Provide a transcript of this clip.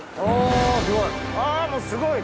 あすごい。